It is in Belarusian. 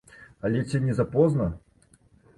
Але ці не запозна?